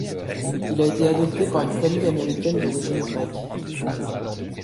Il a été adopté par une famille américaine d'origine grecque.